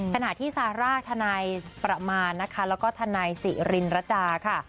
ขณะที่ซาร่าทนายประมาณนะคะแล้วก็ทนายสิรินรดาค่ะ